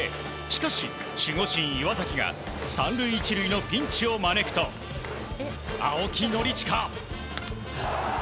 しかし、守護神・岩崎が３塁１塁のピンチを招くと青木宣親。